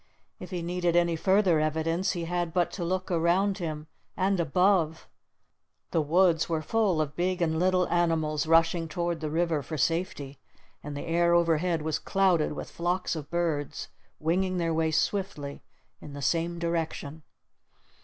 If he needed any further evidence, he had but to look around him and above. The woods were full of big and little animals rushing toward the river for safety, and the air overhead was clouded with flocks of birds winging their way swiftly in the same direction.